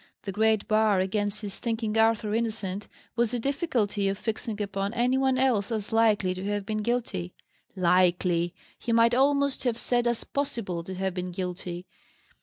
The great bar against his thinking Arthur innocent, was the difficulty of fixing upon any one else as likely to have been guilty. Likely! he might almost have said as possible to have been guilty.